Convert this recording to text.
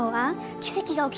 奇跡が起きたの。